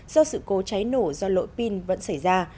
do sự cố cháy nổ do lỗi pin vẫn xảy ra